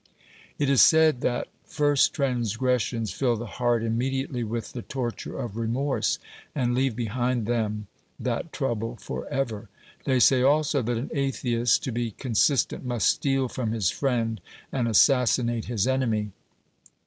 It is said that first transgressions fill the heart im mediately with the torture of remorse and leave behind them that trouble for ever ; they say also that an atheist, to be consistent, must steal from his friend and assassinate his enemy.